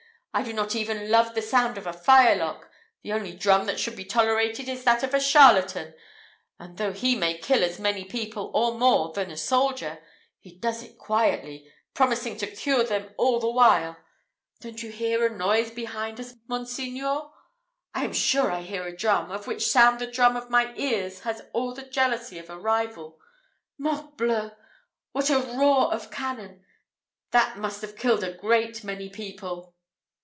I do not even love the sound of a firelock. The only drum that should be tolerated is that of a charlatan; for though he may kill as many people or more than a soldier, he does it quietly, promising to cure them all the while. Don't you hear a noise behind us, monseigneur? I am sure I hear a drum, of which sound the drum of my ear has all the jealousy of a rival: Morbleu! what a roar of cannon! That must have killed a great many people!"